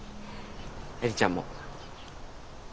映里ちゃんも。